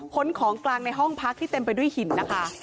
ของกลางในห้องพักที่เต็มไปด้วยหินนะคะ